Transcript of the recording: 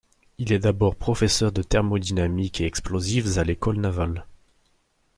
Il est d'abord professeur de thermodynamique et explosifs à l'École navale.